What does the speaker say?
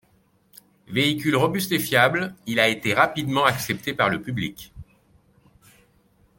Véhicule robuste et fiable, il a été rapidement accepté par le public.